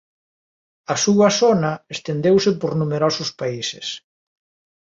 A súa sona estendeuse por numerosos países.